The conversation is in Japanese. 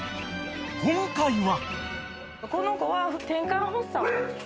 ［今回は］